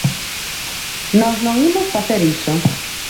Nós non imos facer iso.